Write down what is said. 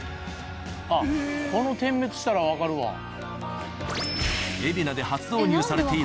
あっこの点滅したらわかるわ。